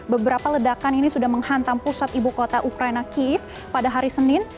beberapa ledakan ini sudah menghantam pusat ibu kota ukraina kiev pada hari senin